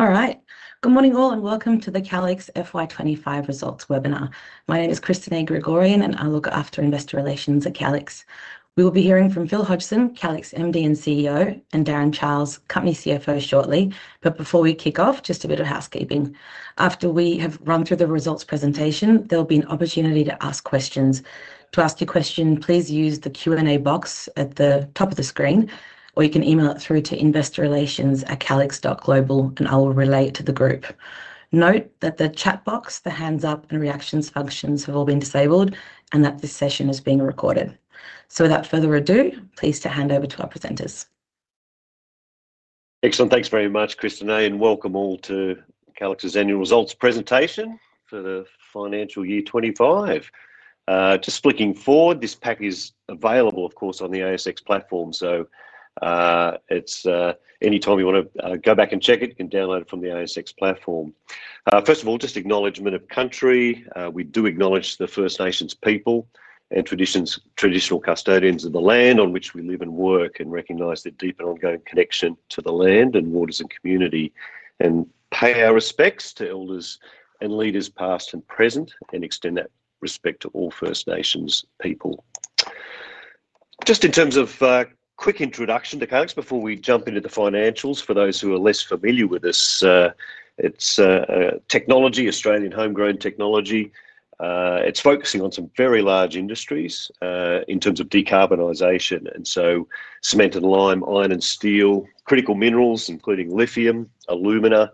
All right. Good morning all, and welcome to the Calix FY2025 Results Webinar. My name is Christineh Grigorian, and I look after Investor Relations at Calix. We will be hearing from Phil Hodgson, Calix MD and CEO, and Darren Charles, Company CFO, shortly. Before we kick off, just a bit of housekeeping. After we have run through the results presentation, there'll be an opportunity to ask questions. To ask your question, please use the Q&A box at the top of the screen, or you can email it through to investorrelations@calix.global, and I will relay it to the group. Note that the chat box, the hands up, and reactions functions have all been disabled, and that this session is being recorded. Without further ado, please hand over to our presenters. Excellent. Thanks very much, Christineh, and welcome all to Calix's annual results presentation for the financial year 2025. Just looking forward, this pack is available, of course, on the ASX platform. Any time you want to go back and check it, you can download it from the ASX platform. First of all, just acknowledgement of country. We do acknowledge the First Nations people and traditional custodians of the land on which we live and work and recognize the deep and ongoing connection to the land and waters and community, and pay our respects to elders and leaders past and present, and extend that respect to all First Nations people. Just in terms of a quick introduction to Calix before we jump into the financials, for those who are less familiar with this, it's a technology, Australian homegrown technology. It's focusing on some very large industries in terms of decarbonization. Cement and lime, iron and steel, critical minerals including lithium, alumina,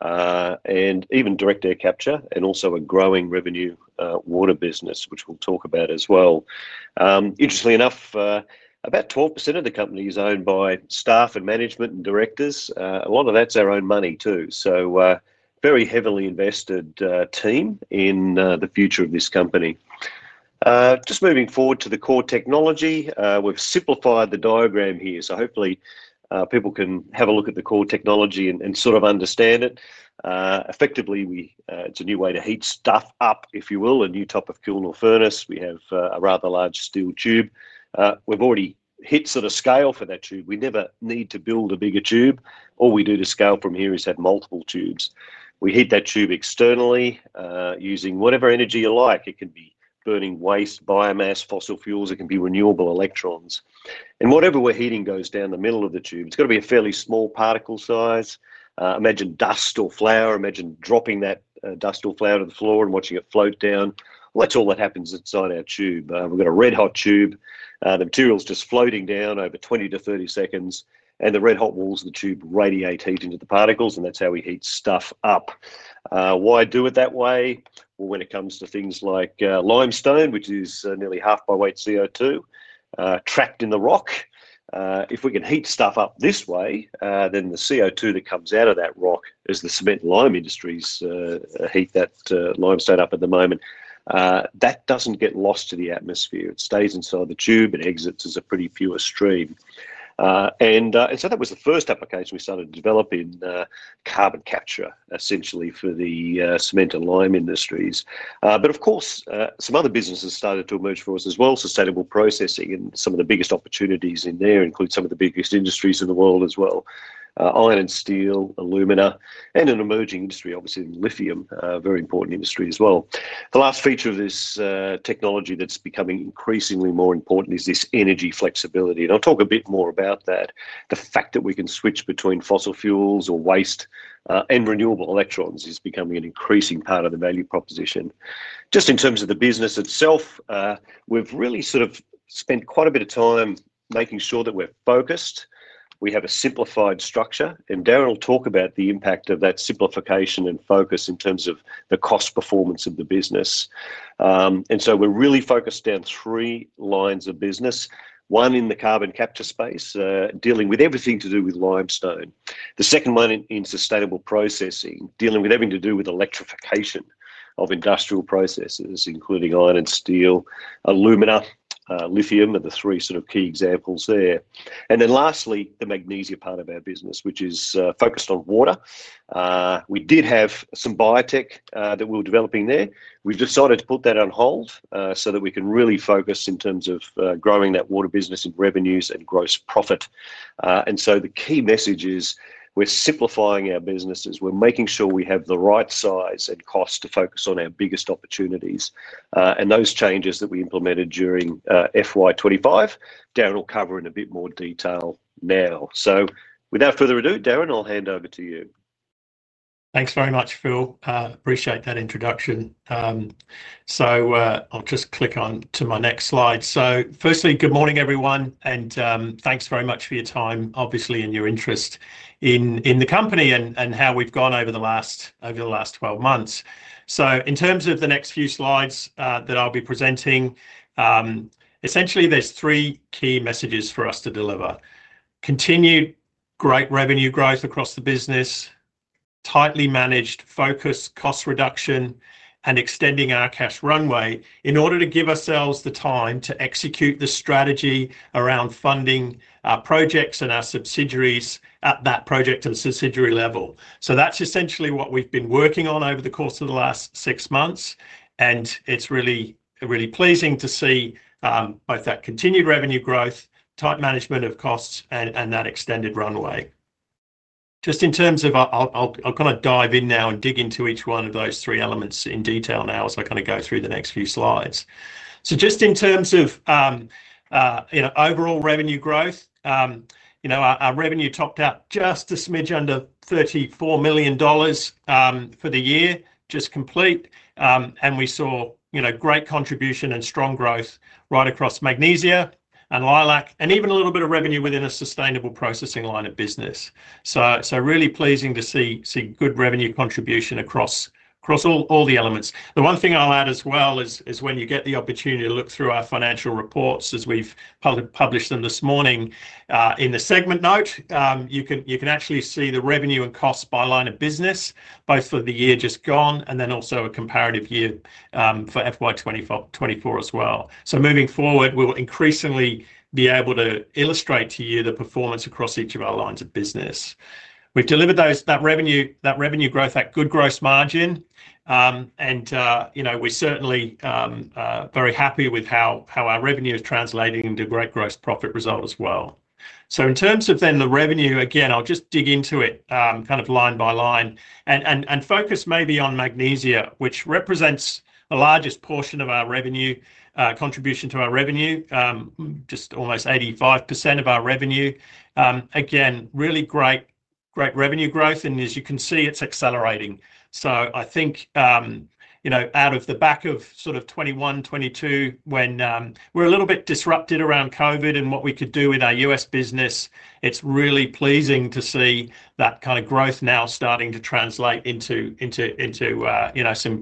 and even direct air capture, and also a growing revenue water business, which we'll talk about as well. Interestingly enough, about 12% of the company is owned by staff and management and directors. A lot of that's our own money too. A very heavily invested team in the future of this company. Just moving forward to the core technology, we've simplified the diagram here. Hopefully, people can have a look at the core technology and sort of understand it. Effectively, it's a new way to heat stuff up, if you will, a new type of kiln or furnace. We have a rather large steel tube. We've already hit sort of scale for that tube. We never need to build a bigger tube. All we do to scale from here is have multiple tubes. We heat that tube externally using whatever energy you like. It can be burning waste, biomass, fossil fuels. It can be renewable electrons. Whatever we're heating goes down the middle of the tube. It's got to be a fairly small particle size. Imagine dust or flour. Imagine dropping that dust or flour to the floor and watching it float down. That's all that happens inside our tube. We've got a red hot tube. The material is just floating down over 20-30 seconds, and the red hot walls of the tube radiate heat into the particles, and that's how we heat stuff up. Why do it that way? When it comes to things like limestone, which is nearly half by weight CO2, trapped in the rock. If we can heat stuff up this way, then the CO2 that comes out of that rock, as the cement and lime industries heat that limestone up at the moment, that doesn't get lost to the atmosphere. It stays inside the tube and exits as a pretty pure stream. That was the first application we started to develop in carbon capture, essentially, for the cement and lime industries. Of course, some other businesses started to emerge for us as well, sustainable processing, and some of the biggest opportunities in there include some of the biggest industries in the world as well: iron and steel, alumina, and an emerging industry, obviously, in lithium, a very important industry as well. The last feature of this technology that's becoming increasingly more important is this energy flexibility. I'll talk a bit more about that. The fact that we can switch between fossil fuels or waste and renewable electrons is becoming an increasing part of the value proposition. Just in terms of the business itself, we've really sort of spent quite a bit of time making sure that we're focused. We have a simplified structure, and Darren will talk about the impact of that simplification and focus in terms of the cost performance of the business. We're really focused on three lines of business. One in the carbon capture space, dealing with everything to do with limestone. The second one in sustainable processing, dealing with everything to do with electrification of industrial processes, including iron and steel, alumina, lithium are the three sort of key examples there. Lastly, the magnesium part of our business, which is focused on water. We did have some biotech that we were developing there. We decided to put that on hold so that we can really focus in terms of growing that water business in revenues and gross profit. The key message is we're simplifying our businesses. We're making sure we have the right size and cost to focus on our biggest opportunities. Those changes that we implemented during FY2025, Darren will cover in a bit more detail now. Without further ado, Darren, I'll hand over to you. Thanks very much, Phil. Appreciate that introduction. I'll just click on to my next slide. Firstly, good morning, everyone, and thanks very much for your time, obviously, and your interest in the company and how we've gone over the last 12 months. In terms of the next few slides that I'll be presenting, essentially, there are three key messages for us to deliver: continued great revenue growth across the business, tightly managed focus cost reduction, and extending our cash runway in order to give ourselves the time to execute the strategy around funding our projects and our subsidiaries at that project and subsidiary level. That's essentially what we've been working on over the course of the last six months, and it's really pleasing to see both that continued revenue growth, tight management of costs, and that extended runway. I'll kind of dive in now and dig into each one of those three elements in detail as I go through the next few slides. In terms of overall revenue growth, our revenue topped out just a smidge under $34 million for the year just complete. We saw great contribution and strong growth right across magnesium and LEILAC and even a little bit of revenue within a sustainable processing line of business. It's really pleasing to see good revenue contribution across all the elements. The one thing I'll add as well is when you get the opportunity to look through our financial reports, as we've published them this morning in the segment note, you can actually see the revenue and costs by line of business, both for the year just gone and also a comparative year for FY2025, FY2024 as well. Moving forward, we'll increasingly be able to illustrate to you the performance across each of our lines of business. We've delivered that revenue growth at good gross margin, and we're certainly very happy with how our revenue is translating into great gross profit result as well. In terms of the revenue, again, I'll just dig into it line by line and focus maybe on magnesium, which represents the largest portion of our revenue, contribution to our revenue, just almost 85% of our revenue. Again, really great revenue growth, and as you can see, it's accelerating. I think out of the back of sort of 2021, 2022, when we were a little bit disrupted around COVID and what we could do in our U.S. business, it's really pleasing to see that kind of growth now starting to translate into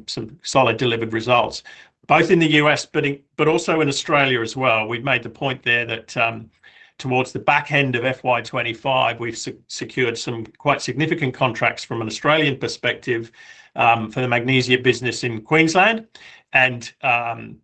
some solid delivered results, both in the U.S. but also in Australia as well. We've made the point there that towards the back end of FY2025, we've secured some quite significant contracts from an Australian perspective for the magnesium business in Queensland. We're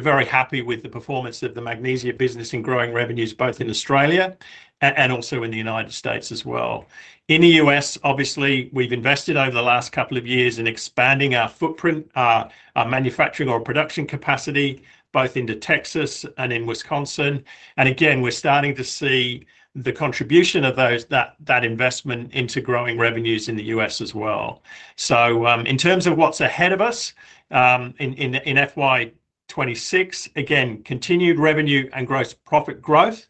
very happy with the performance of the magnesium business in growing revenues both in Australia and also in the United States as well. In the U.S., obviously, we've invested over the last couple of years in expanding our footprint, our manufacturing or production capacity, both into Texas and in Wisconsin. We're starting to see the contribution of that investment into growing revenues in the U.S. as well. In terms of what's ahead of us in FY2026, continued revenue and gross profit growth.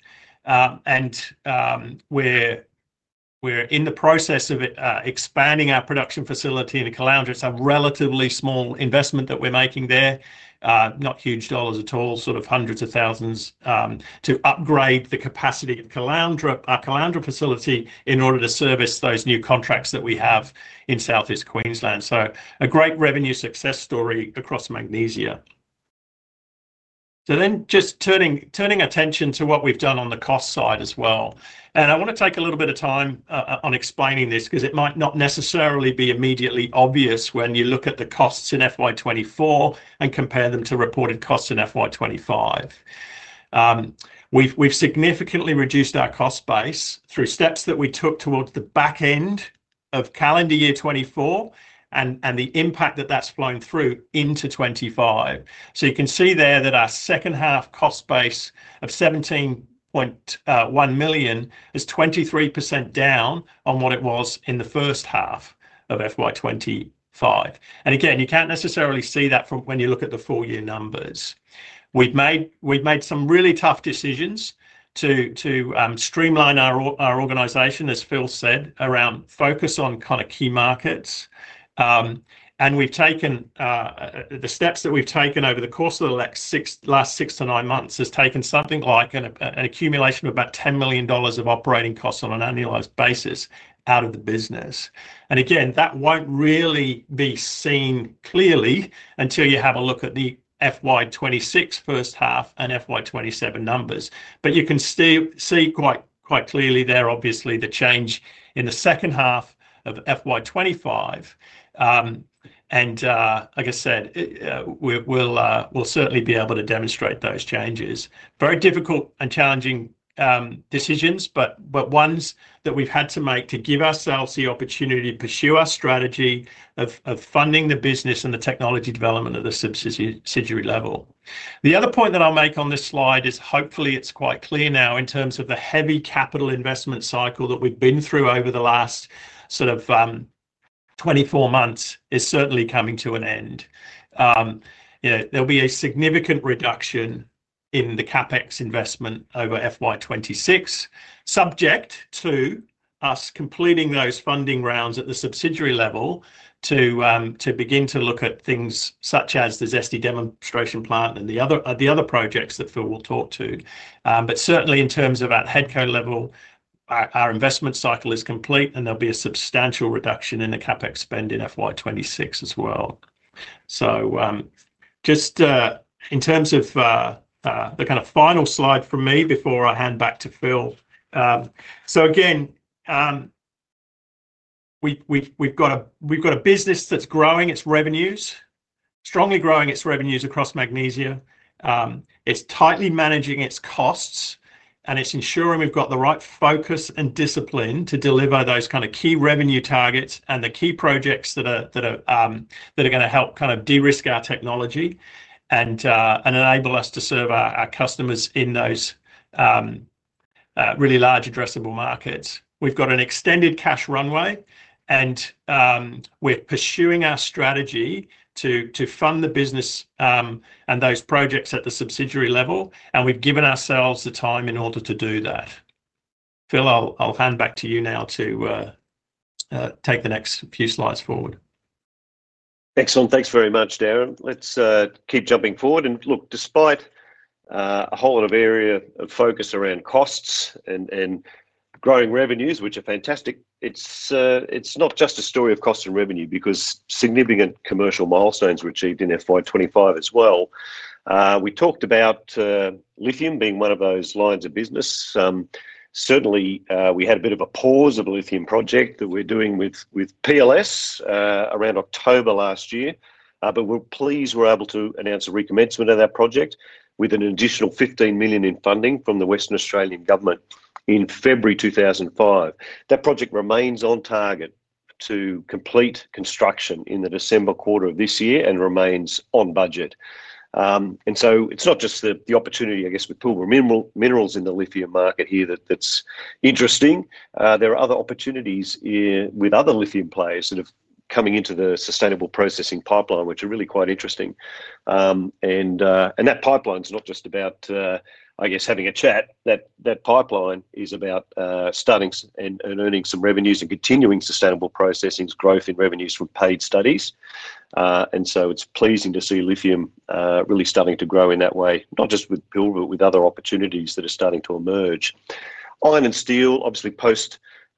We're in the process of expanding our production facility in Calandra. It's a relatively small investment that we're making there, not huge dollars at all, sort of hundreds of thousands to upgrade the capacity at our Calandra facility in order to service those new contracts that we have in Southeast Queensland. A great revenue success story across magnesium. Turning attention to what we've done on the cost side as well, I want to take a little bit of time on explaining this because it might not necessarily be immediately obvious when you look at the costs in FY2024 and compare them to reported costs in FY2025. We've significantly reduced our cost base through steps that we took towards the back end of calendar year 2024 and the impact that that's flown through into 2025. You can see there that our second half cost base of $17.1 million is 23% down on what it was in the first half of FY2025. You can't necessarily see that from when you look at the full-year numbers. We've made some really tough decisions to streamline our organization, as Phil said, around focus on kind of key markets. The steps that we've taken over the course of the last six to nine months have taken something like an accumulation of about $10 million of operating costs on an annualized basis out of the business. That won't really be seen clearly until you have a look at the FY2026 first half and FY2027 numbers. You can see quite clearly there, obviously, the change in the second half of FY2025. Like I said, we'll certainly be able to demonstrate those changes. Very difficult and challenging decisions, but ones that we've had to make to give ourselves the opportunity to pursue our strategy of funding the business and the technology development at the subsidiary level. The other point that I'll make on this slide is hopefully it's quite clear now in terms of the heavy capital investment cycle that we've been through over the last sort of 24 months is certainly coming to an end. There will be a significant reduction in the CapEx investment over FY2026, subject to us completing those funding rounds at the subsidiary level to begin to look at things such as the Zesty Demonstration Plant and the other projects that Phil will talk to. Certainly, in terms of at headco level, our investment cycle is complete, and there will be a substantial reduction in the CapEx spend in FY2026 as well. Just in terms of the kind of final slide from me before I hand back to Phil. Again, we've got a business that's growing its revenues, strongly growing its revenues across magnesium. It's tightly managing its costs, and it's ensuring we've got the right focus and discipline to deliver those kind of key revenue targets and the key projects that are going to help de-risk our technology and enable us to serve our customers in those really large addressable markets. We've got an extended cash runway, and we're pursuing our strategy to fund the business and those projects at the subsidiary level, and we've given ourselves the time in order to do that. Phil, I'll hand back to you now to take the next few slides forward. Excellent. Thanks very much, Darren. Let's keep jumping forward. Despite a whole lot of area of focus around costs and growing revenues, which are fantastic, it's not just a story of cost and revenue because significant commercial milestones were achieved in FY2025 as well. We talked about lithium being one of those lines of business. Certainly, we had a bit of a pause of a lithium project that we're doing with PLS around October last year, but we're pleased we're able to announce a recommencement of that project with an additional $15 million in funding from the Western Australian Government in February 2025. That project remains on target to complete construction in the December quarter of this year and remains on budget. It's not just the opportunity, I guess, with Pilbara Minerals in the lithium market here that's interesting. There are other opportunities here with other lithium players that are coming into the sustainable processing pipeline, which are really quite interesting. That pipeline is not just about, I guess, having a chat. That pipeline is about starting and earning some revenues and continuing sustainable processing's growth in revenues from paid studies. It's pleasing to see lithium really starting to grow in that way, not just with Pilbara, but with other opportunities that are starting to emerge. Iron and steel, obviously,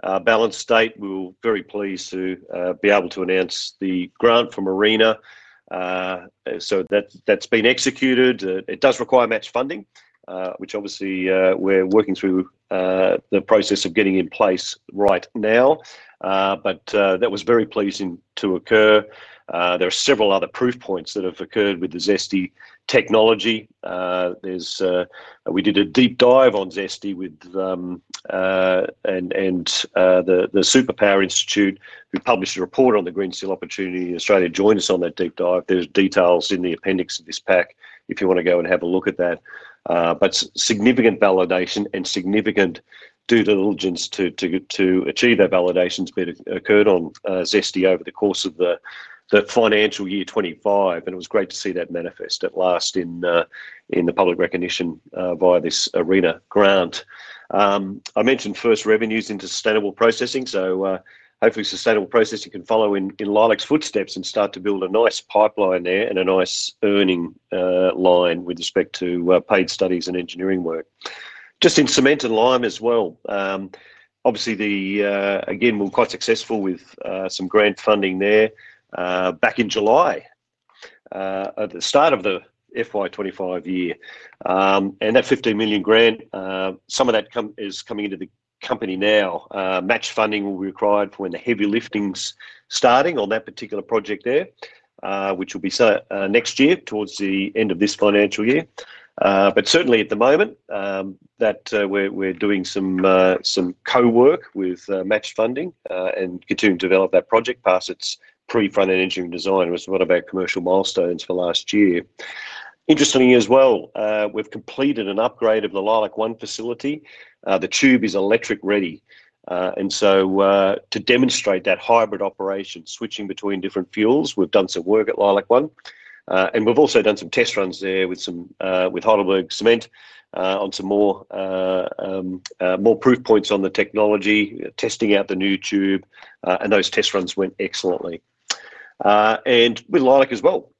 post-balance date, we're very pleased to be able to announce the grant from ARENA. That has been executed. It does require match funding, which obviously we're working through the process of getting in place right now, but that was very pleasing to occur. There are several other proof points that have occurred with the Zesty technology. We did a deep dive on Zesty with the Superpower Institute, who published a report on the green steel opportunity in Australia, joined us on that deep dive. There are details in the appendix of this pack if you want to go and have a look at that. Significant validation and significant due diligence to achieve that validation has occurred on Zesty over the course of the financial year 2025. It was great to see that manifest at last in the public recognition via this ARENA grant. I mentioned first revenues into sustainable processing. Hopefully, sustainable processing can follow in LEILAC's footsteps and start to build a nice pipeline there and a nice earning line with respect to paid studies and engineering work. Just in cement and lime as well, obviously, again, we're quite successful with some grant funding there back in July at the start of the FY2025 year. That $15 million grant, some of that is coming into the company now. Match funding will be required for when the heavy lifting's starting on that particular project there, which will be next year towards the end of this financial year. Certainly, at the moment, we're doing some cowork with match funding and continuing to develop that project past its prefront engineering design. It was one of our commercial milestones for last year. Interestingly as well, we've completed an upgrade of the LEILAC-1 facility. The tube is electric ready. To demonstrate that hybrid operation, switching between different fuels, we've done some work atLEILAC-1. We've also done some test runs there with Heidelberg cement on some more proof points on the technology, testing out the new tube, and those test runs went excellently. With LEILAC as well,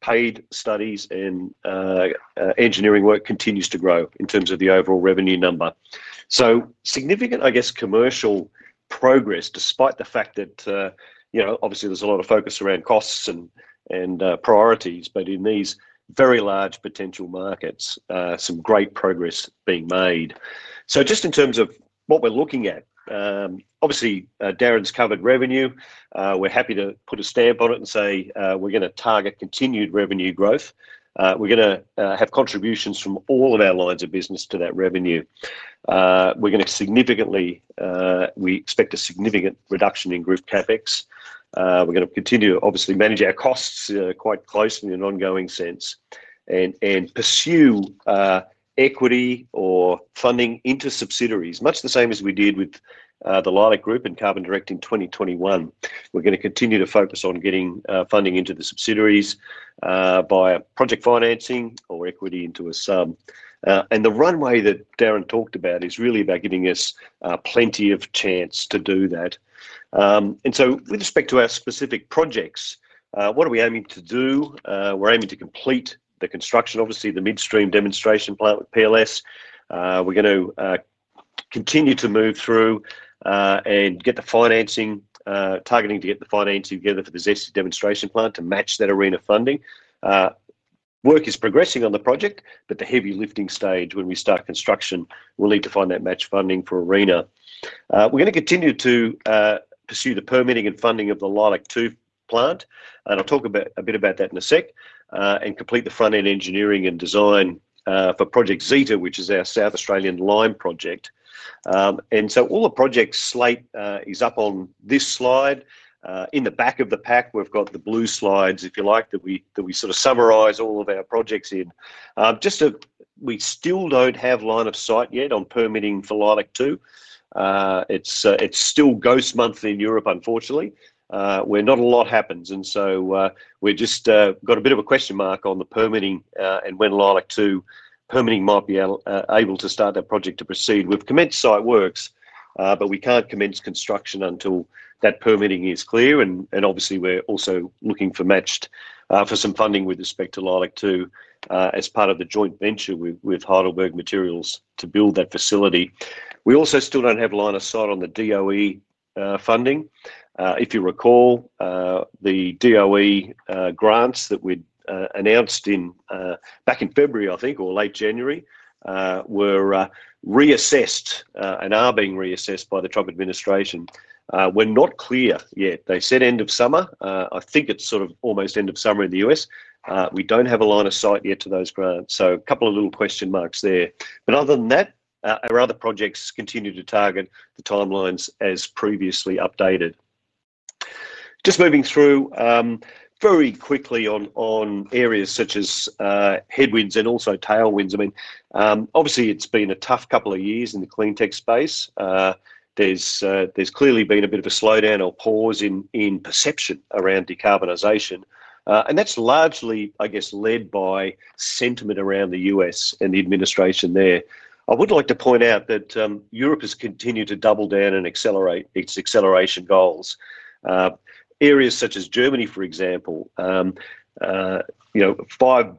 paid studies and engineering work continues to grow in terms of the overall revenue number. Significant, I guess, commercial progress despite the fact that, you know, obviously, there's a lot of focus around costs and priorities, but in these very large potential markets, some great progress being made. Just in terms of what we're looking at, obviously, Darren's covered revenue. We're happy to put a stamp on it and say we're going to target continued revenue growth. We're going to have contributions from all of our lines of business to that revenue. We're going to significantly, we expect a significant reduction in group CapEx. We're going to continue, obviously, to manage our costs quite closely in an ongoing sense and pursue equity or funding into subsidiaries, much the same as we did with the LEILAC Group and Carbon Direct in 2021. We're going to continue to focus on getting funding into the subsidiaries via project financing or equity into a sum. The runway that Darren talked about is really about giving us plenty of chance to do that. With respect to our specific projects, what are we aiming to do? We're aiming to complete the construction, obviously, the lithium midstream demonstration plant with PLS. We're going to continue to move through and get the financing, targeting to get the financing together for the Zesty Demonstration Plant to match that ARENA funding. Work is progressing on the project, but the heavy lifting stage when we start construction will need to find that match funding for ARENA. We're going to continue to pursue the permitting and funding of the LEILAC Tube Plant, and I'll talk a bit about that in a sec, and complete the front-end engineering and design for Project Zesty, which is our South Australian lime project. All the project slate is up on this slide. In the back of the pack, we've got the blue slides, if you like, that we sort of summarize all of our projects in. We still don't have line of sight yet on permitting for LEILAC-2. It's still ghost month in Europe, unfortunately, where not a lot happens. We've just got a bit of a question mark on the permitting and when LEILAC-2 permitting might be able to start that project to proceed. We've commenced site works, but we can't commence construction until that permitting is clear. Obviously, we're also looking for matched for some funding with respect to LEILAC-2 as part of the joint venture with Heidelberg Materials to build that facility. We also still don't have line of sight on the DOE funding. If you recall, the DOE grants that we announced back in February, I think, or late January, were reassessed and are being reassessed by the Trump administration. We're not clear yet. They said end of summer. I think it's sort of almost end of summer in the U.S. We don't have a line of sight yet to those grants. A couple of little question marks there. Other than that, our other projects continue to target the timelines as previously updated. Moving through very quickly on areas such as headwinds and also tailwinds. Obviously, it's been a tough couple of years in the cleantech space. There's clearly been a bit of a slowdown or pause in perception around decarbonization. That's largely, I guess, led by sentiment around the U.S. and the administration there. I would like to point out that Europe has continued to double down on its acceleration goals. Areas such as Germany, for example, a $5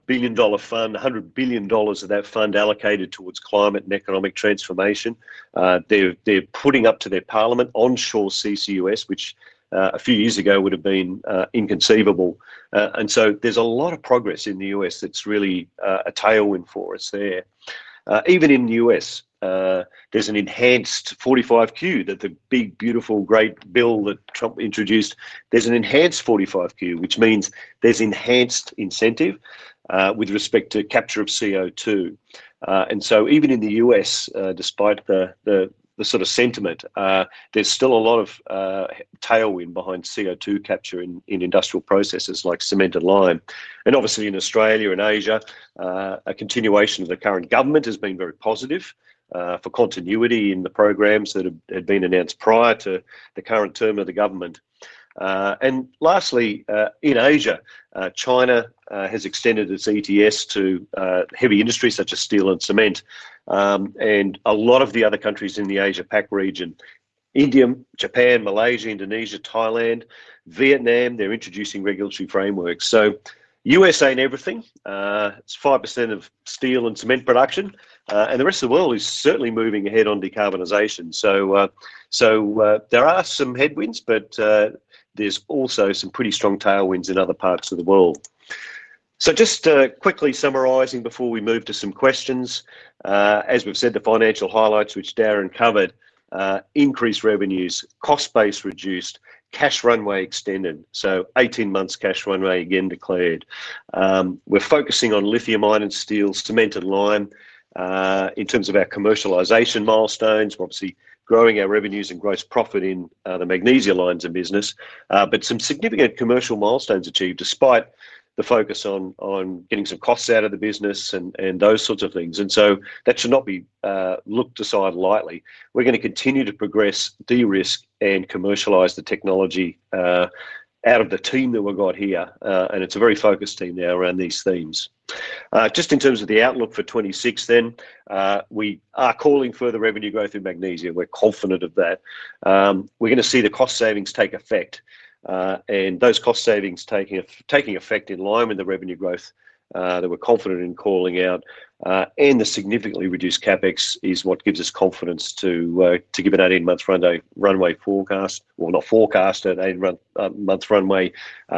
billion fund, $100 billion of that fund allocated towards climate and economic transformation. They're putting up to their parliament onshore CCUS, which a few years ago would have been inconceivable. There's a lot of progress in the U.S. that's really a tailwind for us there. Even in the U.S., there's an enhanced 45Q, the big, beautiful, great bill that Trump introduced. There's an enhanced 45Q, which means there's enhanced incentive with respect to capture of CO2. Even in the U.S., despite the sort of sentiment, there's still a lot of tailwind behind CO2 capture in industrial processes like cement and lime. Obviously, in Australia and Asia, a continuation of the current government has been very positive for continuity in the programs that had been announced prior to the current term of the government. Lastly, in Asia, China has extended its ETS to heavy industries such as steel and cement. A lot of the other countries in the Asia-Pac region, India, Japan, Malaysia, Indonesia, Thailand, Vietnam, they're introducing regulatory frameworks. U.S.A. in everything, it's 5% of steel and cement production. The rest of the world is certainly moving ahead on decarbonization. There are some headwinds, but there's also some pretty strong tailwinds in other parts of the world. Just quickly summarizing before we move to some questions, as we've said, the financial highlights, which Darren covered, increased revenues, cost base reduced, cash runway extended. 18 months cash runway again declared. We're focusing on lithium-ion steels, cement, and lime in terms of our commercialization milestones, obviously growing our revenues and gross profit in the magnesium lines of business, but some significant commercial milestones achieved despite the focus on getting some costs out of the business and those sorts of things. That should not be looked aside lightly. We're going to continue to progress, de-risk, and commercialize the technology out of the team that we've got here. It's a very focused team now around these themes. In terms of the outlook for 2026 then, we are calling further revenue growth in magnesium. We're confident of that. We're going to see the cost savings take effect. Those cost savings taking effect in lime and the revenue growth that we're confident in calling out and the significantly reduced CapEx is what gives us confidence to give an 18-month runway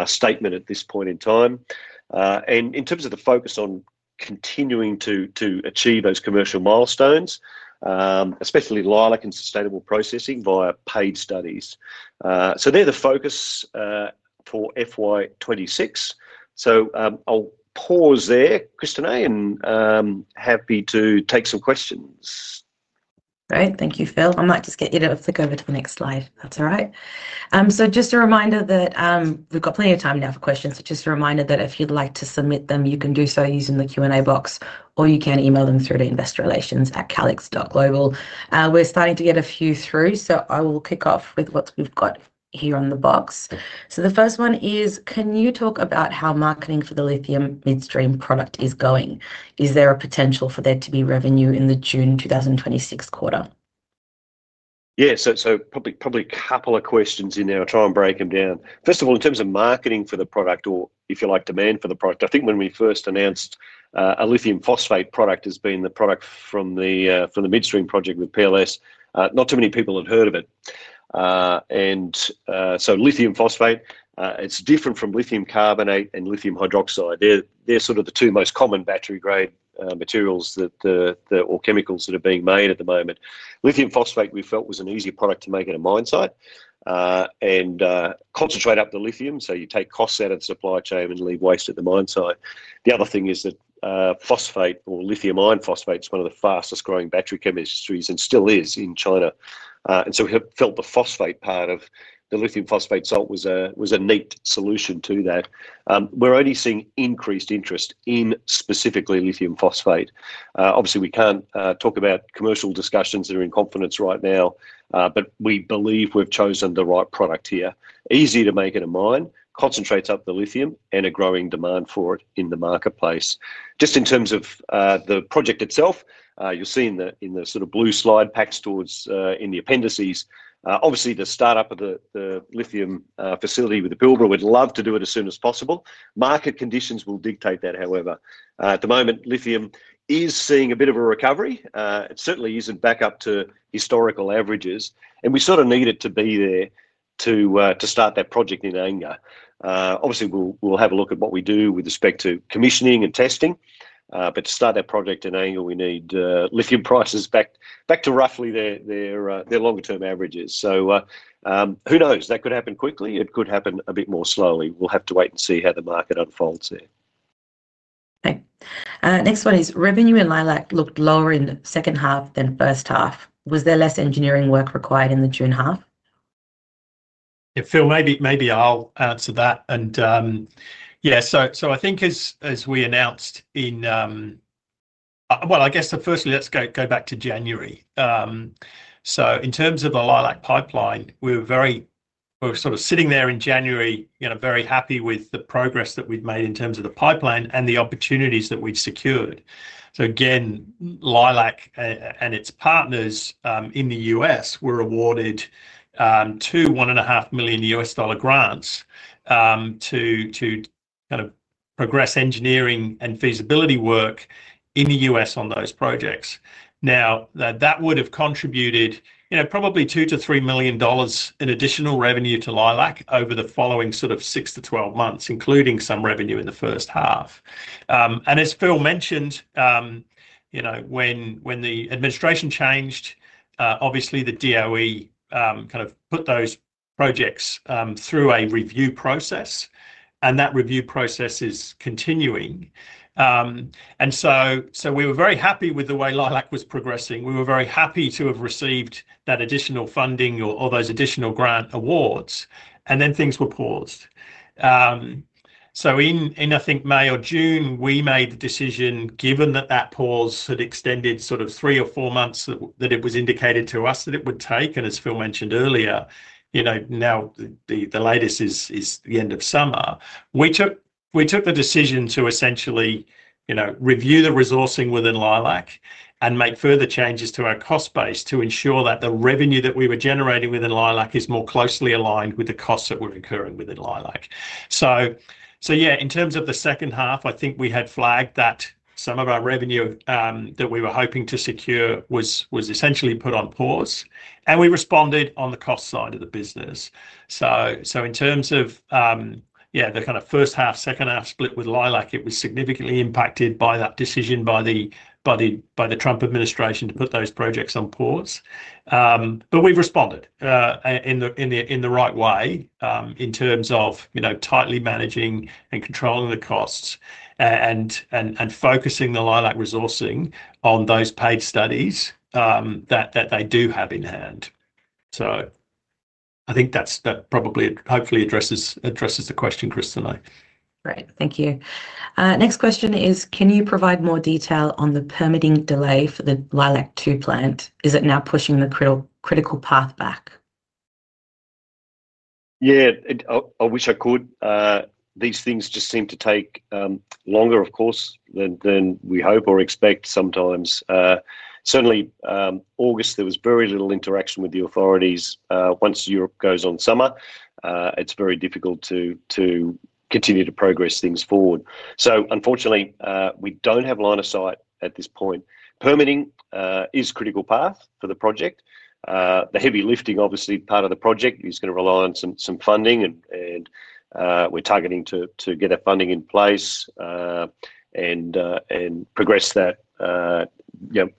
statement at this point in time. In terms of the focus on continuing to achieve those commercial milestones, especially LEILAC and sustainable processing via paid studies. They're the focus for FY2026. I'll pause there, Christineh, and I'm happy to take some questions. Great. Thank you, Phil. I might just get you to flick over to the next slide. That's all right. Just a reminder that we've got plenty of time now for questions. Just a reminder that if you'd like to submit them, you can do so using the Q&A box, or you can email them through to investorrelations@calix.global. We're starting to get a few through. I will kick off with what we've got here on the box. The first one is, can you talk about how marketing for the lithium midstream product is going? Is there a potential for there to be revenue in the June 2026 quarter? Yeah. Probably a couple of questions in there. I'll try and break them down. First of all, in terms of marketing for the product or, if you like, demand for the product, I think when we first announced a lithium phosphate product as being the product from the lithium midstream project with PLS, not too many people have heard of it. Lithium phosphate is different from lithium carbonate and lithium hydroxide. They're sort of the two most common battery-grade materials or chemicals that are being made at the moment. Lithium phosphate, we felt, was an easier product to make at a mine site and concentrate up the lithium. You take costs out of the supply chain and leave waste at the mine site. The other thing is that phosphate or lithium iron phosphate is one of the fastest growing battery chemistries and still is in China. We felt the phosphate part of the lithium phosphate salt was a neat solution to that. We're only seeing increased interest in specifically lithium phosphate. Obviously, we can't talk about commercial discussions that are in confidence right now, but we believe we've chosen the right product here. Easier to make in a mine, concentrates up the lithium, and a growing demand for it in the marketplace. In terms of the project itself, you'll see in the sort of blue slide packs towards the appendices, the startup of the lithium facility with Pilbara would love to do it as soon as possible. Market conditions will dictate that, however. At the moment, lithium is seeing a bit of a recovery. It certainly isn't back up to historical averages. We sort of need it to be there to start that project in anger. Obviously, we'll have a look at what we do with respect to commissioning and testing. To start that project in anger, we need lithium prices back to roughly their longer-term averages. Who knows? That could happen quickly. It could happen a bit more slowly. We'll have to wait and see how the market unfolds there. Thanks. Next one is, revenue in LEILAC looked lower in the second half than first half. Was there less engineering work required in the June half? Yeah, Phil, maybe I'll answer that. I think as we announced in, well, I guess firstly, let's go back to January. In terms of the LEILAC pipeline, we were sort of sitting there in January, you know, very happy with the progress that we'd made in terms of the pipeline and the opportunities that we'd secured. Again, LEILAC and its partners in the U.S. were awarded two $1.5 million U.S. dollar grants to kind of progress engineering and feasibility work in the U.S. on those projects. That would have contributed, you know, probably $2 million-$3 million in additional revenue to LEILAC over the following sort of 6-12 months, including some revenue in the first half. As Phil mentioned, when the administration changed, obviously, the DOE kind of put those projects through a review process. That review process is continuing. We were very happy with the way LEILAC was progressing. We were very happy to have received that additional funding or those additional grant awards. Things were paused. In, I think, May or June, we made the decision, given that that pause had extended sort of three or four months that it was indicated to us that it would take. As Phil mentioned earlier, now the latest is the end of summer. We took the decision to essentially, you know, review the resourcing within LEILAC and make further changes to our cost base to ensure that the revenue that we were generating within LEILAC is more closely aligned with the costs that we're incurring within LEILAC. In terms of the second half, I think we had flagged that some of our revenue that we were hoping to secure was essentially put on pause. We responded on the cost side of the business. In terms of, yeah, the kind of first half, second half split with LEILAC, it was significantly impacted by that decision by the Trump administration to put those projects on pause. We've responded in the right way in terms of, you know, tightly managing and controlling the costs and focusing the LEILAC resourcing on those paid studies that they do have in hand. I think that probably hopefully addresses the question, Christineh. Great. Thank you. Next question is, can you provide more detail on the permitting delay for the LEILAC Tube Plant? Is it now pushing the critical path back? Yeah, I wish I could. These things just seem to take longer, of course, than we hope or expect sometimes. Certainly, August, there was very little interaction with the authorities. Once Europe goes on summer, it's very difficult to continue to progress things forward. Unfortunately, we don't have line of sight at this point. Permitting is a critical path for the project. The heavy lifting, obviously, part of the project is going to rely on some funding, and we're targeting to get our funding in place and progress that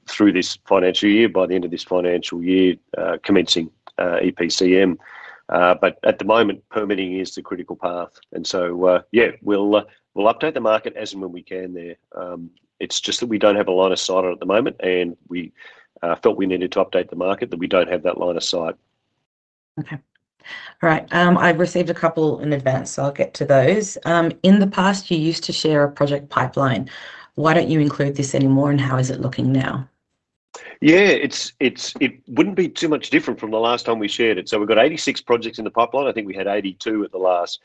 through this financial year, by the end of this financial year, commencing EPCM. At the moment, permitting is the critical path. We'll update the market as and when we can there. It's just that we don't have a line of sight at the moment, and we felt we needed to update the market that we don't have that line of sight. Okay. All right. I've received a couple in advance, so I'll get to those. In the past, you used to share a project pipeline. Why don't you include this anymore, and how is it looking now? Yeah, it wouldn't be too much different from the last time we shared it. We've got 86 projects in the pipeline. I think we had 82 at the last.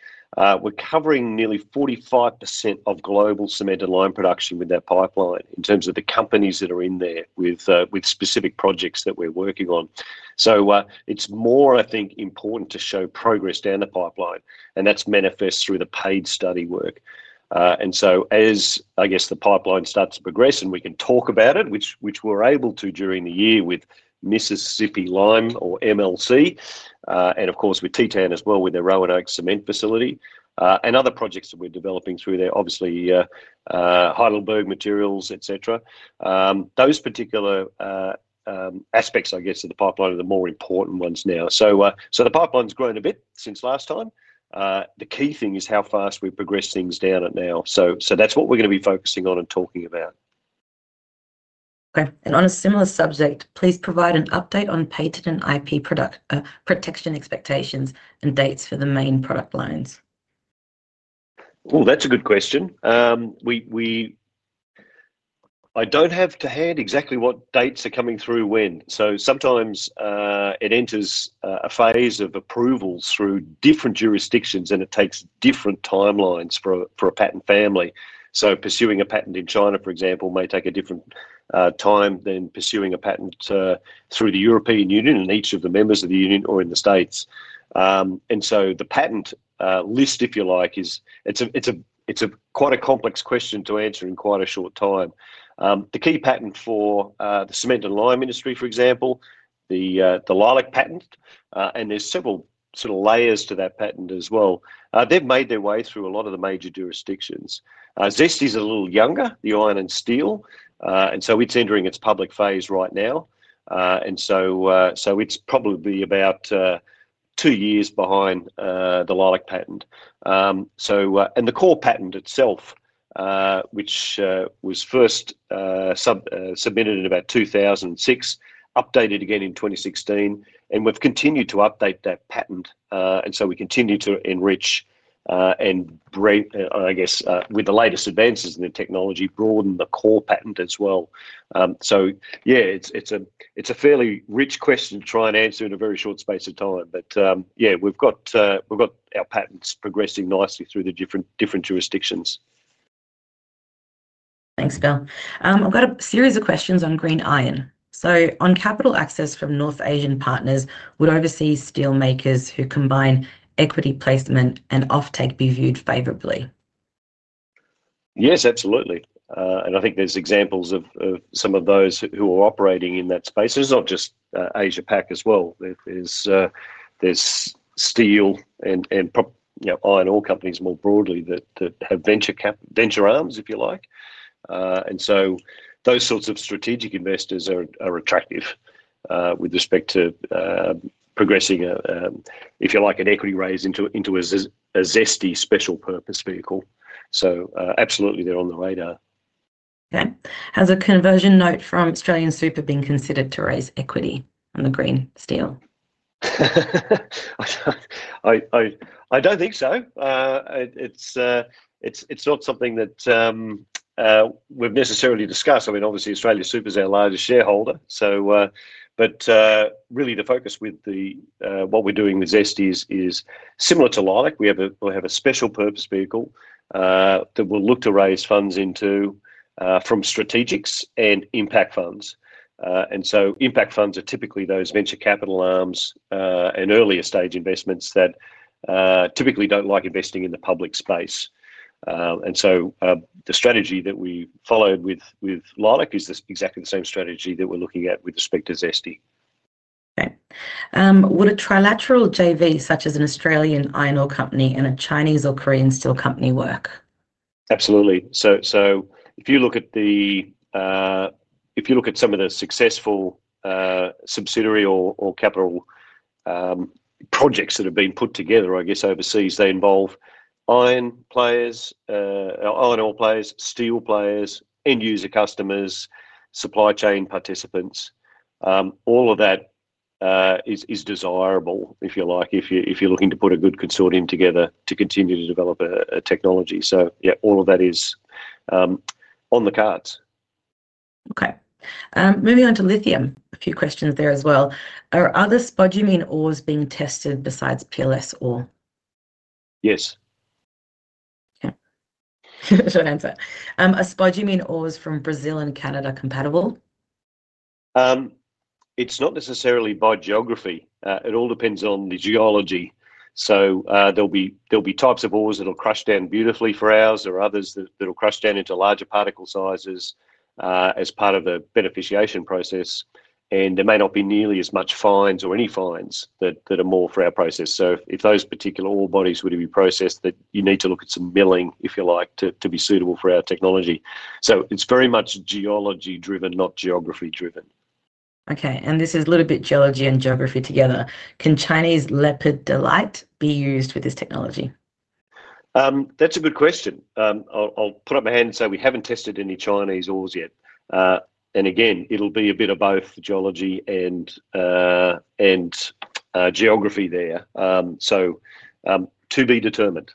We're covering nearly 45% of global cement and lime production with that pipeline in terms of the companies that are in there with specific projects that we're working on. It's more, I think, important to show progress down the pipeline, and that's manifest through the paid study work. As the pipeline starts to progress, and we can talk about it, which we're able to during the year with Mississippi Lime, or MLC, and of course, with Titan as well with their Roanoke Cement facility, and other projects that we're developing through there, obviously, Heidelberg Materials, et cetera. Those particular aspects of the pipeline are the more important ones now. The pipeline's grown a bit since last time. The key thing is how fast we progress things down it now. That's what we're going to be focusing on and talking about. Okay. On a similar subject, please provide an update on patent and IP protection expectations and dates for the main product lines. Oh, that's a good question. I don't have to hand exactly what dates are coming through when. Sometimes it enters a phase of approvals through different jurisdictions, and it takes different timelines for a patent family. Pursuing a patent in China, for example, may take a different time than pursuing a patent through the European Union and each of the members of the Union or in the U.S. The patent list, if you like, is quite a complex question to answer in quite a short time. The key patent for the cement and lime industry, for example, the LEILAC patent, and there's several sort of layers to that patent as well, they've made their way through a lot of the major jurisdictions. Zesty's a little younger, the iron and steel, and it's entering its public phase right now. It's probably about two years behind the LEILAC patent. The core patent itself, which was first submitted in about 2006, updated again in 2016, and we've continued to update that patent. We continue to enrich and bring, I guess, with the latest advances in the technology, broaden the core patent as well. It's a fairly rich question to try and answer in a very short space of time. We've got our patents progressing nicely through the different jurisdictions. Thanks, Phil. I've got a series of questions on green iron. On capital access from North Asian partners, would overseas steelmakers who combine equity placement and off-take be viewed favorably? Yes, absolutely. I think there's examples of some of those who are operating in that space. It's not just Asia as well. There's steel and iron ore companies more broadly that have venture arms, if you like. Those sorts of strategic investors are attractive with respect to progressing, if you like, an equity raise into a Zesty special purpose vehicle. Absolutely, they're on the radar. Okay. Has a conversion note from AustralianSuper been considered to raise equity on the green steel? I don't think so. It's not something that we've necessarily discussed. I mean, obviously, Australia Super's our largest shareholder. Really, the focus with what we're doing with Zesty is similar to LEILAC. We have a special purpose vehicle that we'll look to raise funds into from strategics and impact funds. Impact funds are typically those venture capital arms and earlier stage investments that typically don't like investing in the public space. The strategy that we followed with LEILAC is exactly the same strategy that we're looking at with respect to Zesty. Would a trilateral JV, such as an Australian iron ore company and a Chinese or Korean steel company, work? Absolutely. If you look at some of the successful subsidiary or capital projects that have been put together, I guess, overseas, they involve iron ore players, steel players, end-user customers, supply chain participants. All of that is desirable, if you like, if you're looking to put a good consortium together to continue to develop a technology. All of that is on the cards. Okay. Moving on to lithium, a few questions there as well. Are other spodumene ores being tested besides PLS ore? Yes. Okay. Short answer. Are spodumene ores from Brazil and Canada compatible? It's not necessarily by geography. It all depends on the geology. There'll be types of ores that'll crush down beautifully for ours. There are others that'll crush down into larger particle sizes as part of a beneficiation process. There may not be nearly as much fines or any fines that are more for our process. If those particular ore bodies were to be processed, you need to look at some milling, if you like, to be suitable for our technology. It's very much geology-driven, not geography-driven. Okay. This is a little bit geology and geography together. Can Chinese leopard delight be used with this technology? That's a good question. I'll put up a hand and say we haven't tested any Chinese ores yet. It'll be a bit of both geology and geography there, so to be determined.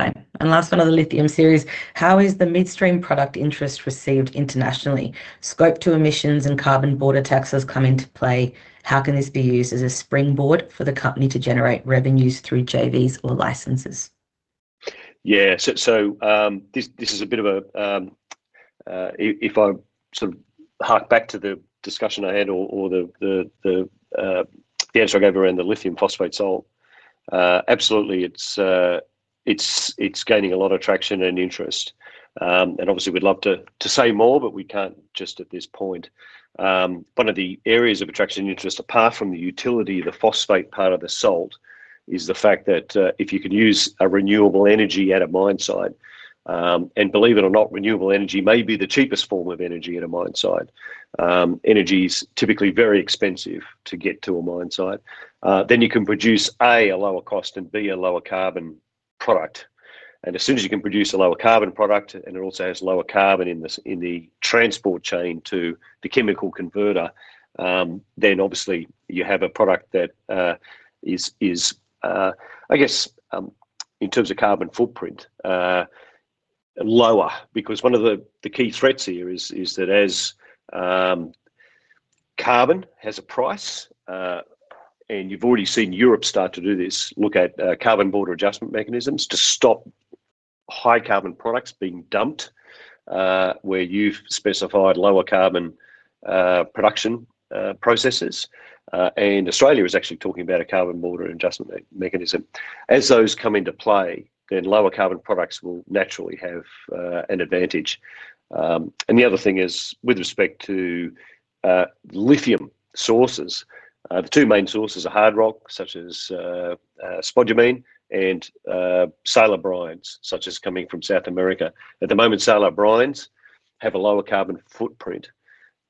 Okay. Last one of the lithium series. How is the lithium midstream product interest received internationally? Scope 2 emissions and carbon border taxes come into play. How can this be used as a springboard for the company to generate revenues through JVs or licenses? Yeah. This is a bit of a, if I sort of hark back to the discussion I had or the answer I gave around the lithium phosphate salt, absolutely, it's gaining a lot of traction and interest. Obviously, we'd love to say more, but we can't just at this point. One of the areas of attraction and interest, apart from the utility of the phosphate part of the salt, is the fact that if you can use a renewable energy at a mine site, and believe it or not, renewable energy may be the cheapest form of energy at a mine site. Energy is typically very expensive to get to a mine site. You can produce A, a lower cost, and B, a lower carbon product. As soon as you can produce a lower carbon product, and it also has lower carbon in the transport chain to the chemical converter, you have a product that is, I guess, in terms of carbon footprint, lower. One of the key threats here is that as carbon has a price, and you've already seen Europe start to do this, look at carbon border adjustment mechanisms to stop high carbon products being dumped where you've specified lower carbon production processes. Australia is actually talking about a carbon border adjustment mechanism. As those come into play, lower carbon products will naturally have an advantage. The other thing is with respect to lithium sources, the two main sources are hard rock, such as spodumene, and salars, such as coming from South America. At the moment, salars have a lower carbon footprint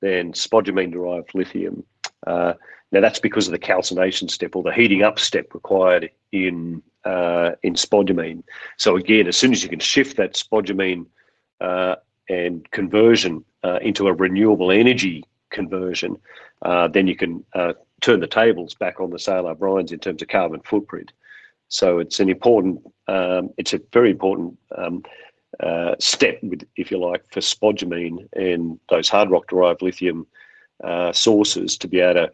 than spodumene-derived lithium. That's because of the calcination step or the heating up step required in spodumene. As soon as you can shift that spodumene and conversion into a renewable energy conversion, you can turn the tables back on the salars in terms of carbon footprint. It's a very important step, if you like, for spodumene and those hard rock-derived lithium sources to be able to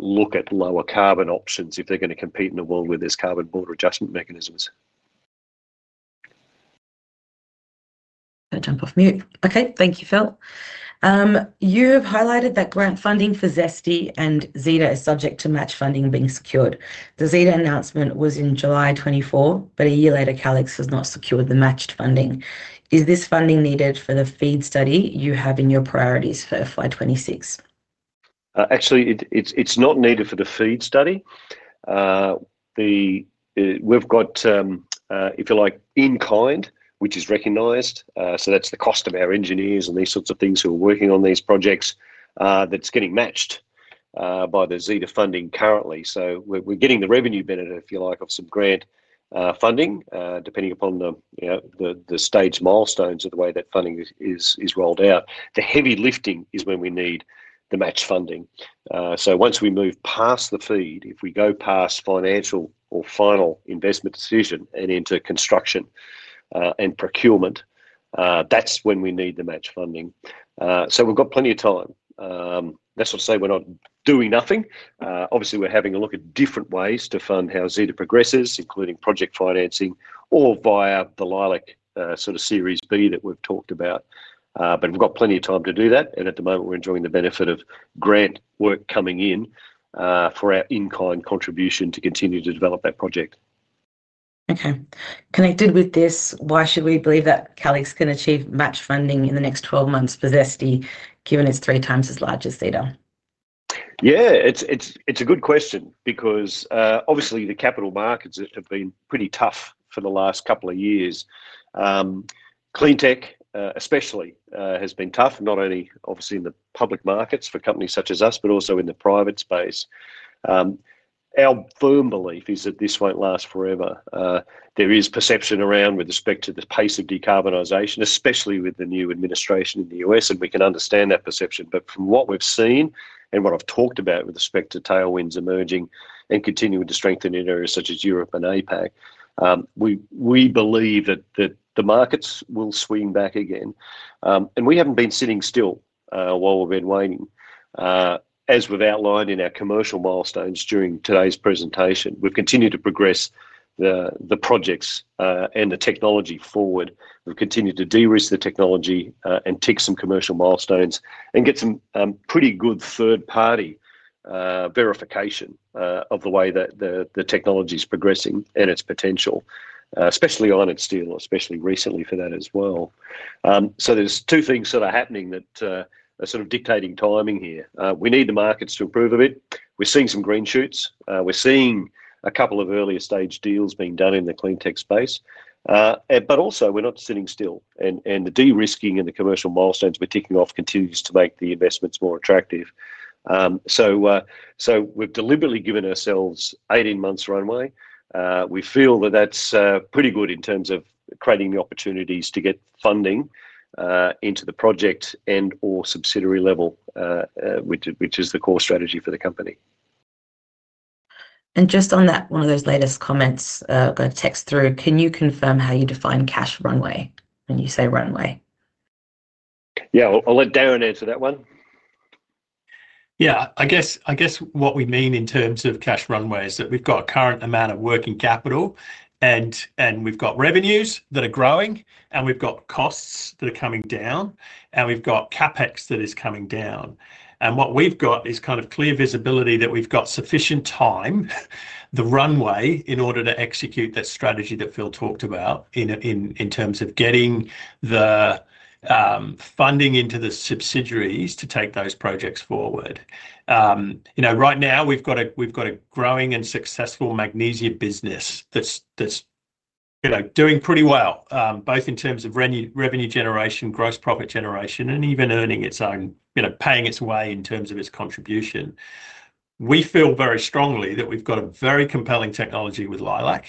look at lower carbon options if they're going to compete in the world with these carbon border adjustment mechanisms. I'll jump off mute. Okay. Thank you, Phil. You have highlighted that grant funding for Zesty and Zeta is subject to match funding being secured. The Zeta announcement was in July 2024, but a year later, Calix has not secured the matched funding. Is this funding needed for the feed study you have in your priorities for FY2026? Actually, it's not needed for the FEED study. We've got, if you like, in kind, which is recognized. That's the cost of our engineers and these sorts of things who are working on these projects that's getting matched by the Zesty funding currently. We're getting the revenue benefit, if you like, of some grant funding, depending upon the stage milestones of the way that funding is rolled out. The heavy lifting is when we need the matched funding. Once we move past the FEED, if we go past financial or final investment decision and into construction and procurement, that's when we need the matched funding. We've got plenty of time. That's not to say we're not doing nothing. Obviously, we're having a look at different ways to fund how Zesty progresses, including project financing or via the LEILAC sort of Series B that we've talked about. We've got plenty of time to do that. At the moment, we're enjoying the benefit of grant work coming in for our in-kind contribution to continue to develop that project. Okay. Connected with this, why should we believe that Calix can achieve matched funding in the next 12 months for Zesty, given it's three times as large as Zeta? Yeah, it's a good question because obviously, the capital markets have been pretty tough for the last couple of years. Cleantech, especially, has been tough, not only obviously in the public markets for companies such as us, but also in the private space. Our firm belief is that this won't last forever. There is perception around with respect to the pace of decarbonization, especially with the new administration in the U.S., and we can understand that perception. From what we've seen and what I've talked about with respect to tailwinds emerging and continuing to strengthen in areas such as Europe and Asia, we believe that the markets will swing back again. We haven't been sitting still while we've been waiting. As we've outlined in our commercial milestones during today's presentation, we'll continue to progress the projects and the technology forward. We'll continue to de-risk the technology and tick some commercial milestones and get some pretty good third-party verification of the way that the technology is progressing and its potential, especially iron and steel, especially recently for that as well. There are two things that are happening that are sort of dictating timing here. We need the markets to approve of it. We're seeing some green shoots. We're seeing a couple of earlier stage deals being done in the cleantech space. We're not sitting still. The de-risking and the commercial milestones we're ticking off continues to make the investments more attractive. We've deliberately given ourselves 18 months runway. We feel that that's pretty good in terms of creating the opportunities to get funding into the project and/or subsidiary level, which is the core strategy for the company. On that, one of those latest comments, I've got a text through. Can you confirm how you define cash runway when you say runway? Yeah, I'll let Darren answer that one. Yeah, I guess what we mean in terms of cash runway is that we've got a current amount of working capital, and we've got revenues that are growing, and we've got costs that are coming down, and we've got CapEx that is coming down. What we've got is kind of clear visibility that we've got sufficient time, the runway, in order to execute that strategy that Phil talked about in terms of getting the funding into the subsidiaries to take those projects forward. Right now, we've got a growing and successful magnesium business that's doing pretty well, both in terms of revenue generation, gross profit generation, and even earning its own, you know, paying its way in terms of its contribution. We feel very strongly that we've got a very compelling technology with LEILAC,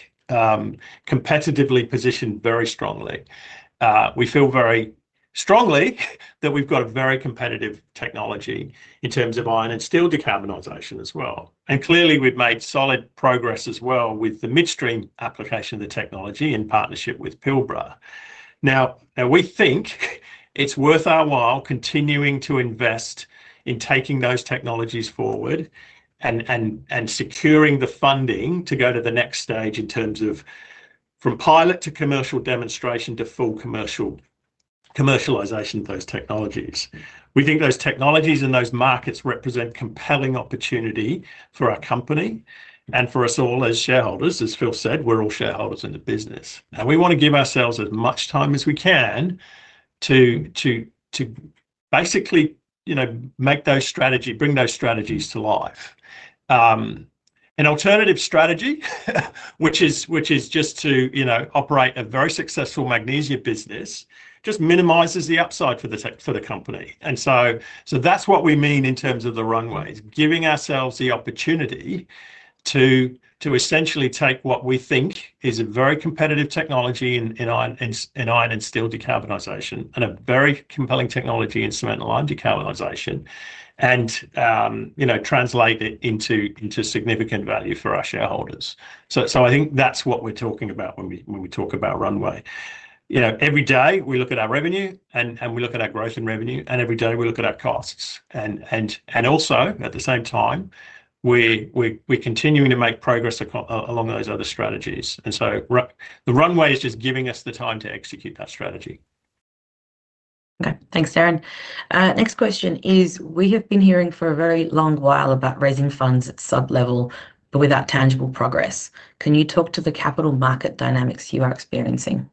competitively positioned very strongly. We feel very strongly that we've got a very competitive technology in terms of iron and steel decarbonization as well. Clearly, we've made solid progress as well with the midstream application of the technology in partnership with Pilbara Minerals. We think it's worth our while continuing to invest in taking those technologies forward and securing the funding to go to the next stage in terms of from pilot to commercial demonstration to full commercialization of those technologies. We think those technologies and those markets represent compelling opportunity for our company and for us all as shareholders. As Phil said, we're all shareholders in the business. We want to give ourselves as much time as we can to basically, you know, make those strategies, bring those strategies to life. An alternative strategy, which is just to, you know, operate a very successful magnesium business, just minimizes the upside for the company. That's what we mean in terms of the runway, giving ourselves the opportunity to essentially take what we think is a very competitive technology in iron and steel decarbonization and a very compelling technology in cement and lime decarbonization and, you know, translate it into significant value for our shareholders. I think that's what we're talking about when we talk about runway. Every day we look at our revenue and we look at our growth in revenue, and every day we look at our costs. Also, at the same time, we're continuing to make progress along those other strategies. The runway is just giving us the time to execute that strategy. Okay. Thanks, Darren. Next question is, we have been hearing for a very long while about raising funds at subsidiary level but without tangible progress. Can you talk to the capital market dynamics you are experiencing?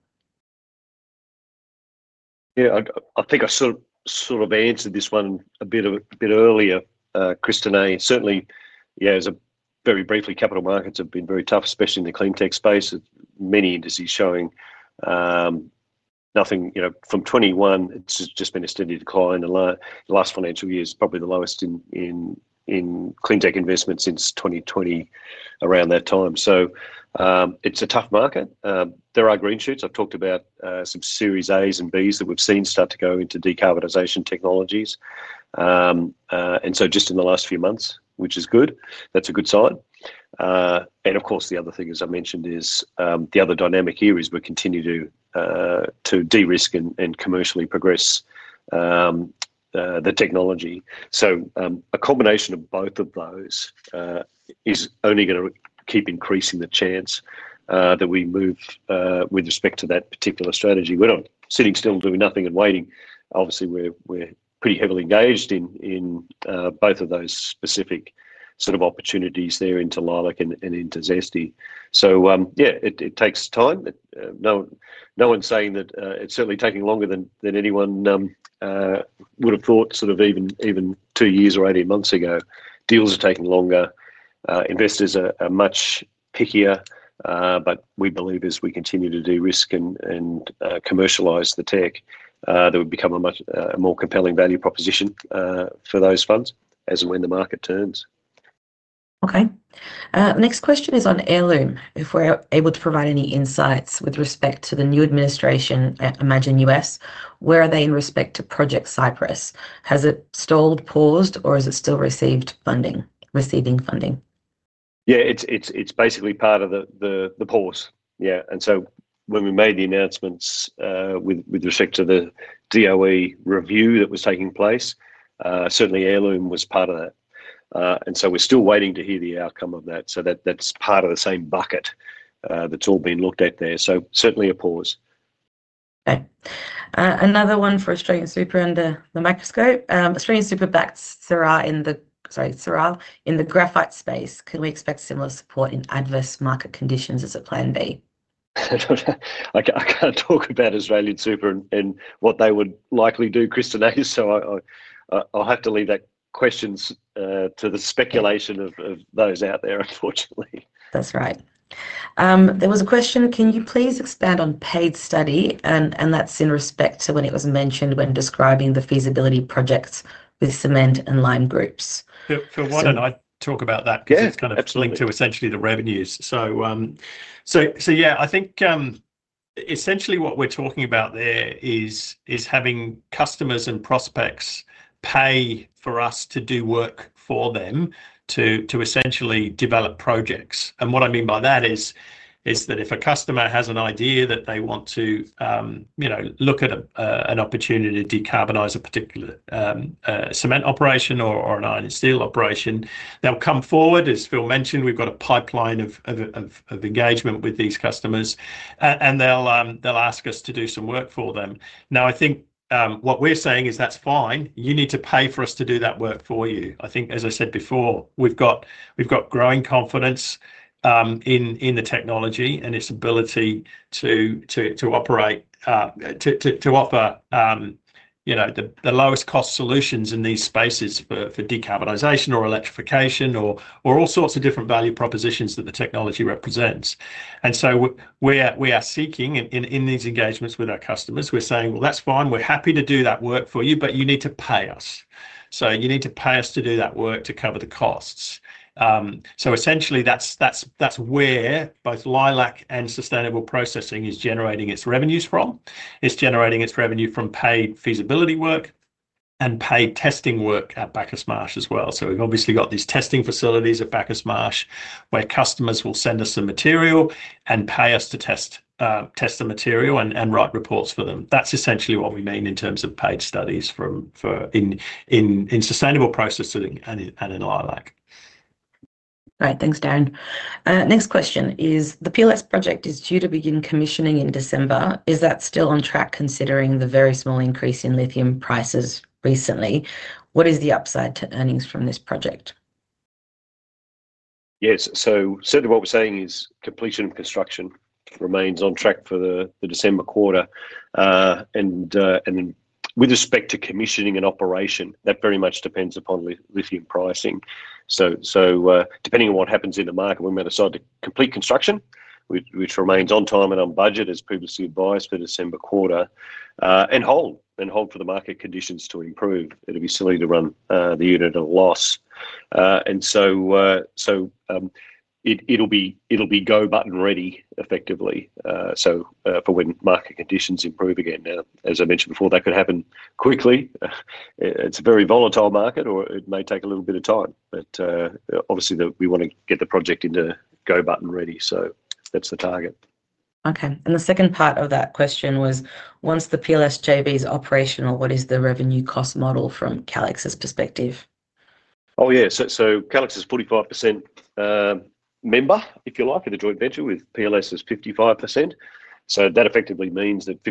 Yeah, I think I sort of answered this one a bit earlier, Christineh. Certainly, as very briefly, capital markets have been very tough, especially in the cleantech space. Many indices showing nothing, you know, from 2021, it's just been a steady decline. The last financial year is probably the lowest in cleantech investments since 2020, around that time. It's a tough market. There are green shoots. I've talked about some Series A's and B's that we've seen start to go into decarbonization technologies just in the last few months, which is good. That's a good sign. Of course, the other thing, as I mentioned, is the other dynamic here is we continue to de-risk and commercially progress the technology. A combination of both of those is only going to keep increasing the chance that we move with respect to that particular strategy. We're not sitting still and doing nothing and waiting. Obviously, we're pretty heavily engaged in both of those specific sort of opportunities there into LEILAC and into Zesty. It takes time. No one's saying that it's certainly taking longer than anyone would have thought sort of even two years or 18 months ago. Deals are taking longer. Investors are much pickier. We believe as we continue to de-risk and commercialize the tech, that would become a much more compelling value proposition for those funds as and when the market turns. Okay. Next question is on Heirloom. If we're able to provide any insights with respect to the new administration, imagine U.S., where are they in respect to Project Cypress? Has it stalled, paused, or is it still receiving funding? Yeah, it's basically part of the pause. When we made the announcements with respect to the DOE review that was taking place, certainly Heirloom was part of that. We're still waiting to hear the outcome of that. That's part of the same bucket that's all being looked at there. Certainly a pause. Okay. Another one for AustralianSuper under the microscope. AustralianSuper backed Syrah in the graphite space. Can we expect similar support in adverse market conditions as a plan B? I can't talk about AustralianSuper and what they would likely do, Christineh. I'll have to leave that question to the speculation of those out there, unfortunately. That's right. There was a question. Can you please expand on paid study? That's in respect to when it was mentioned when describing the feasibility projects with cement and lime groups. Phil, why don't I talk about that? Yeah. Kind of linked to essentially the revenues. I think essentially what we're talking about there is having customers and prospects pay for us to do work for them to essentially develop projects. What I mean by that is that if a customer has an idea that they want to look at an opportunity to decarbonize a particular cement operation or an iron and steel operation, they'll come forward. As Phil mentioned, we've got a pipeline of engagement with these customers, and they'll ask us to do some work for them. I think what we're saying is that's fine. You need to pay for us to do that work for you. I think, as I said before, we've got growing confidence in the technology and its ability to offer the lowest cost solutions in these spaces for decarbonization or electrification or all sorts of different value propositions that the technology represents. We are seeking in these engagements with our customers, we're saying that's fine. We're happy to do that work for you, but you need to pay us. You need to pay us to do that work to cover the costs. Essentially, that's where both LEILAC and sustainable processing is generating its revenues from. It's generating its revenue from paid feasibility work and paid testing work at Bacchus Marsh as well. We've obviously got these testing facilities at Bacchus Marsh where customers will send us some material and pay us to test the material and write reports for them. That's essentially what we mean in terms of paid studies for in sustainable processing and in LEILAC. All right. Thanks, Darren. Next question is, the PLS project is due to begin commissioning in December. Is that still on track considering the very small increase in lithium prices recently? What is the upside to earnings from this project? Yes. Certainly what we're saying is completion of construction remains on track for the December quarter. With respect to commissioning and operation, that very much depends upon lithium pricing. Depending on what happens in the market, we might decide to complete construction, which remains on time and on budget as previously advised for the December quarter, and hold for the market conditions to improve. It'd be silly to run the unit at a loss, so it'll be go button ready effectively for when market conditions improve again. As I mentioned before, that could happen quickly. It's a very volatile market, or it may take a little bit of time. Obviously, we want to get the project into go button ready. That's the target. Okay. The second part of that question was, once the PLS JV is operational, what is the revenue cost model from Calix's perspective? Oh, yeah. Calix is 45% member, if you like, of the joint venture with PLS is 55%. That effectively means that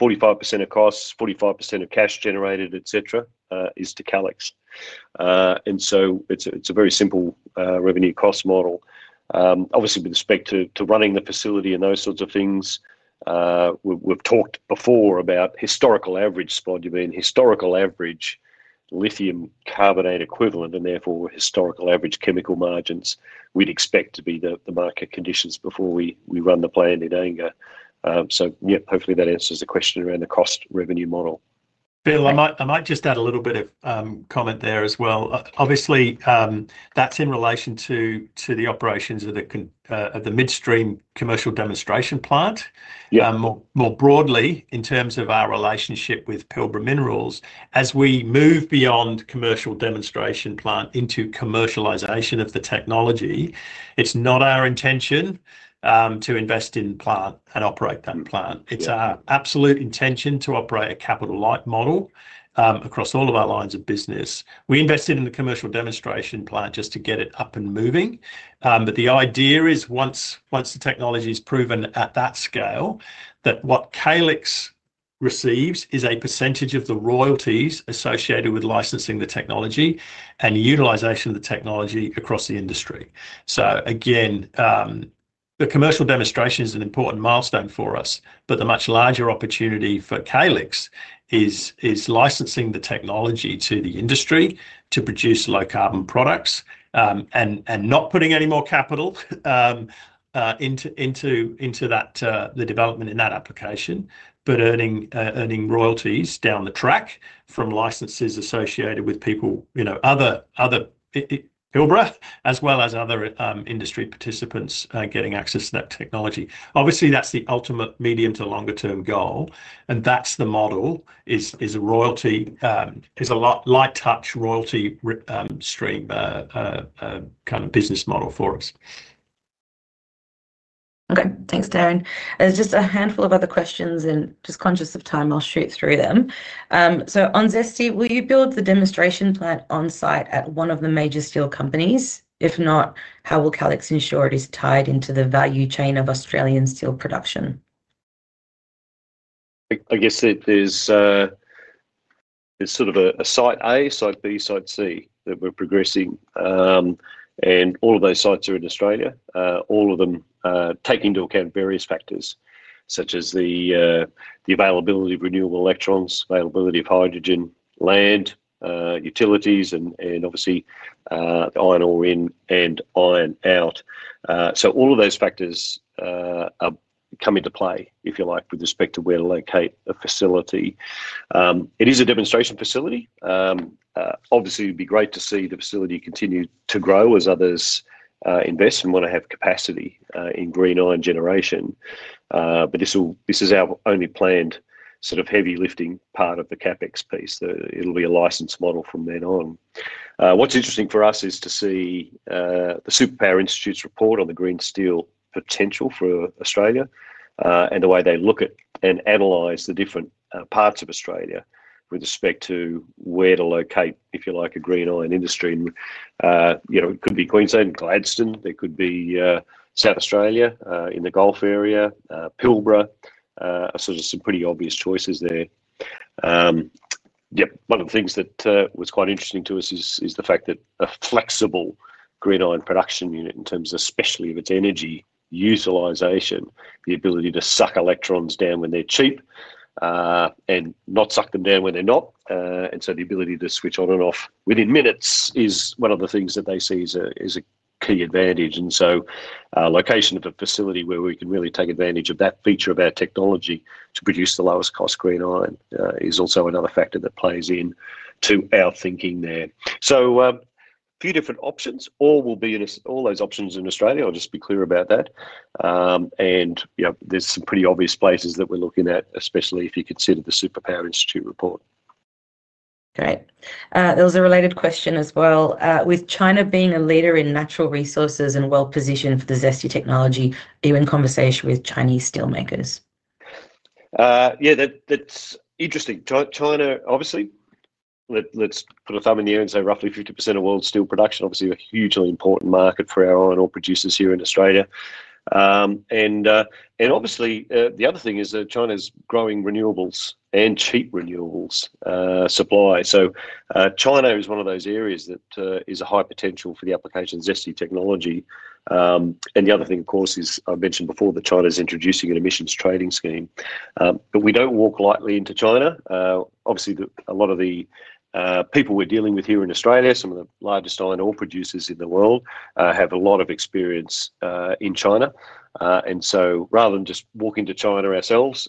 45% of costs, 45% of cash generated, et cetera, is to Calix. It's a very simple revenue cost model. Obviously, with respect to running the facility and those sorts of things, we've talked before about historical average spodumene, historical average lithium carbonate equivalent, and therefore, historical average chemical margins we'd expect to be the market conditions before we run the plan in anger. Hopefully, that answers the question around the cost revenue model. Phil, I might just add a little bit of comment there as well. Obviously, that's in relation to the operations of the midstream commercial demonstration plant. More broadly, in terms of our relationship with Pilbara Minerals, as we move beyond commercial demonstration plant into commercialization of the technology, it's not our intention to invest in plant and operate that plant. It's our absolute intention to operate a capital-like model across all of our lines of business. We invested in the commercial demonstration plant just to get it up and moving. The idea is once the technology is proven at that scale, that what Calix receives is a percentage of the royalties associated with licensing the technology and utilization of the technology across the industry. The commercial demonstration is an important milestone for us, but the much larger opportunity for Calix is licensing the technology to the industry to produce low carbon products and not putting any more capital into the development in that application, but earning royalties down the track from licenses associated with people, you know, other Pilbara as well as other industry participants getting access to that technology. Obviously, that's the ultimate medium to longer-term goal. That model is a light touch royalty stream kind of business model for us. Okay. Thanks, Darren. There's just a handful of other questions, and just conscious of time, I'll shoot through them. On Zesty, will you build the demonstration plant on site at one of the major steel companies? If not, how will Calix ensure it is tied into the value chain of Australian steel production? I guess it is sort of a site A, site B, site C that we're progressing. All of those sites are in Australia. All of them take into account various factors, such as the availability of renewable electrons, availability of hydrogen, land, utilities, and obviously, iron ore in and iron out. All of those factors come into play, if you like, with respect to where to locate a facility. It is a demonstration facility. It'd be great to see the facility continue to grow as others invest and want to have capacity in green iron generation. This is our only planned sort of heavy lifting part of the CapEx piece. It'll be a licensed model from then on. What's interesting for us is to see the Superpower Institute's report on the green steel potential for Australia and the way they look at and analyze the different parts of Australia with respect to where to locate, if you like, a green iron industry. It could be Queensland and Gladstone. It could be South Australia in the Gulf area, Pilbara. There are some pretty obvious choices there. One of the things that was quite interesting to us is the fact that a flexible green iron production unit, in terms especially of its energy utilization, the ability to suck electrons down when they're cheap and not suck them down when they're not. The ability to switch on and off within minutes is one of the things that they see as a key advantage. Location of a facility where we can really take advantage of that feature of our technology to produce the lowest cost green iron is also another factor that plays into our thinking there. A few different options. All will be in all those options in Australia. I'll just be clear about that. There are some pretty obvious places that we're looking at, especially if you consider the Superpower Institute report. Great. There was a related question as well. With China being a leader in natural resources and well-positioned for the Zesty technology, are you in conversation with Chinese steelmakers? Yeah, that's interesting. China, obviously, let's put a thumb in the air and say roughly 50% of world steel production, obviously a hugely important market for our iron ore producers here in Australia. The other thing is that China's growing renewables and cheap renewables supply. China is one of those areas that is a high potential for the application of Zesty technology. The other thing, of course, is I mentioned before that China's introducing an emissions trading scheme. We don't walk lightly into China. A lot of the people we're dealing with here in Australia, some of the largest iron ore producers in the world, have a lot of experience in China. Rather than just walk into China ourselves,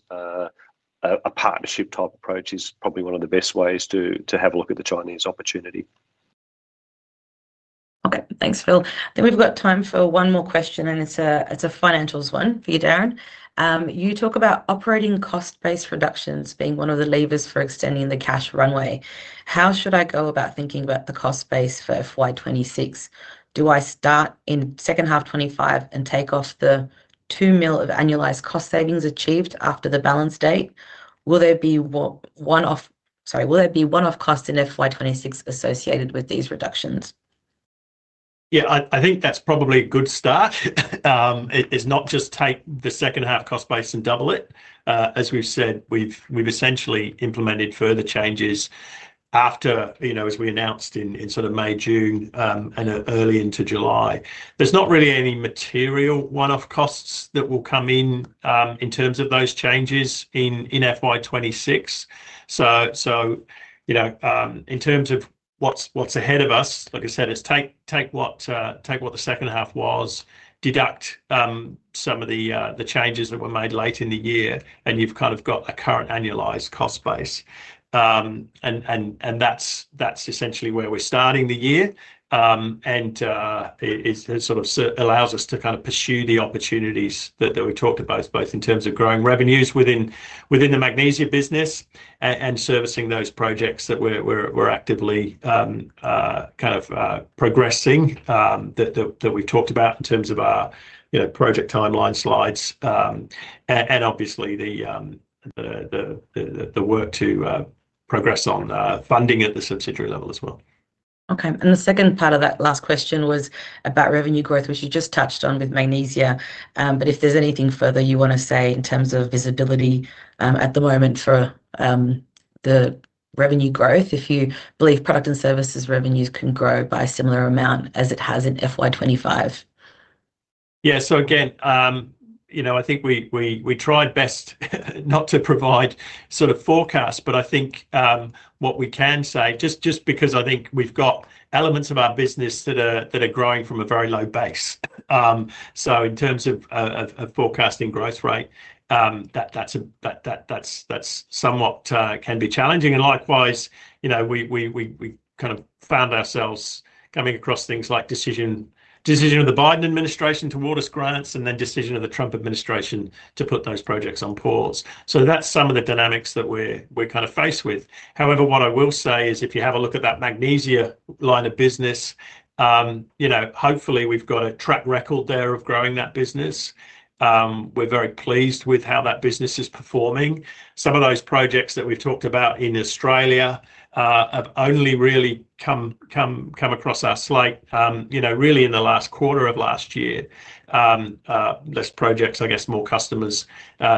a partnership type approach is probably one of the best ways to have a look at the Chinese opportunity. Okay. Thanks, Phil. We've got time for one more question, and it's a financials one for you, Darren. You talk about operating cost-based reductions being one of the levers for extending the cash runway. How should I go about thinking about the cost base for FY2026? Do I start in the second half of 2025 and take off the $2 million of annualized cost savings achieved after the balance date? Will there be one-off costs in FY2026 associated with these reductions? Yeah, I think that's probably a good start. It's not just take the second half cost base and double it. As we've said, we've essentially implemented further changes after, you know, as we announced in sort of May, June, and early into July. There's not really any material one-off costs that will come in in terms of those changes in FY2026. In terms of what's ahead of us, like I said, is take what the second half was, deduct some of the changes that were made late in the year, and you've kind of got a current annualized cost base. That's essentially where we're starting the year. It sort of allows us to kind of pursue the opportunities that we talked about, both in terms of growing revenues within the magnesium business and servicing those projects that we're actively kind of progressing that we talked about in terms of our project timeline slides. Obviously, the work to progress on funding at the subsidiary level as well. Okay. The second part of that last question was about revenue growth, which you just touched on with magnesium. If there's anything further you want to say in terms of visibility at the moment for the revenue growth, if you believe product and services revenues can grow by a similar amount as it has in FY2025. Yeah. Again, I think we tried best not to provide sort of forecasts, but I think what we can say, just because I think we've got elements of our business that are growing from a very low base. In terms of forecasting growth rate, that somewhat can be challenging. Likewise, we kind of found ourselves coming across things like decision of the Biden administration to award U.S. grants and then decision of the Trump administration to put those projects on pause. That's some of the dynamics that we're kind of faced with. However, what I will say is if you have a look at that magnesium line of business, hopefully, we've got a track record there of growing that business. We're very pleased with how that business is performing. Some of those projects that we've talked about in Australia have only really come across our slate, really in the last quarter of last year. Those projects, I guess, more customers,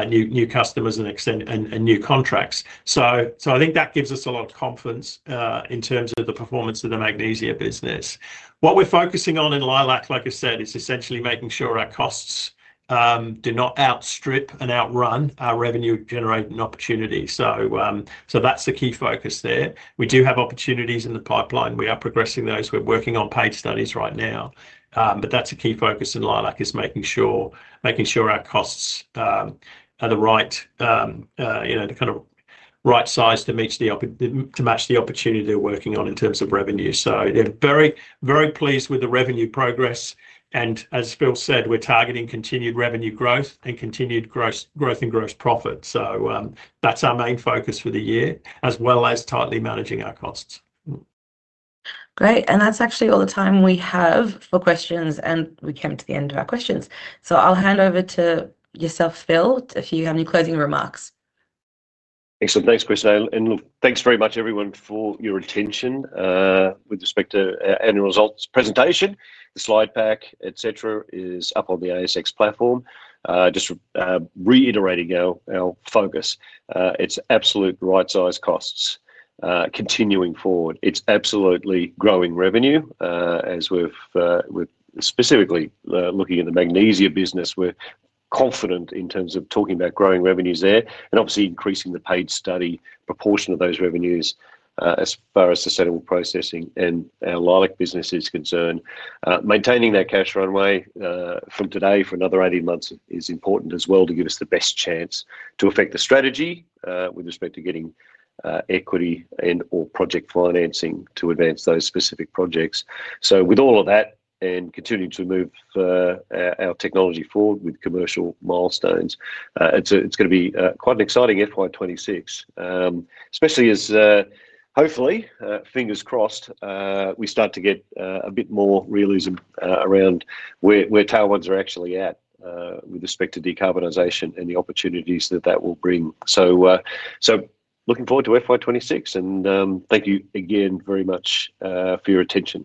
new customers, and new contracts. I think that gives us a lot of confidence in terms of the performance of the magnesium business. What we're focusing on in LEILAC, like I said, is essentially making sure our costs do not outstrip and outrun our revenue-generating opportunities. That's the key focus there. We do have opportunities in the pipeline. We are progressing those. We're working on paid studies right now. That's a key focus in LEILAC, making sure our costs are the right size to match the opportunity they're working on in terms of revenue. They're very, very pleased with the revenue progress. As Phil said, we're targeting continued revenue growth and continued growth in gross profit. That's our main focus for the year, as well as tightly managing our costs. Great. That's actually all the time we have for questions, and we came to the end of our questions. I'll hand over to yourself, Phil, if you have any closing remarks. Excellent. Thanks, Christineh. Thanks very much, everyone, for your attention with respect to our annual results presentation. The slide pack, et cetera, is up on the ASX platform. Just reiterating our focus, it's absolute right-sized costs continuing forward. It's absolutely growing revenue. As we're specifically looking at the magnesium business, we're confident in terms of talking about growing revenues there and obviously increasing the paid study proportion of those revenues as far as sustainable processing and our LEILAC business is concerned. Maintaining that cash runway from today for another 18 months is important as well to give us the best chance to affect the strategy with respect to getting equity and/or project financing to advance those specific projects. With all of that and continuing to move our technology forward with commercial milestones, it's going to be quite an exciting FY2026, especially as hopefully, fingers crossed, we start to get a bit more realism around where tailwinds are actually at with respect to decarbonization and the opportunities that that will bring. Looking forward to FY2026, and thank you again very much for your attention.